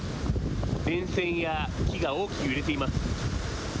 電線や木が大きく揺れています。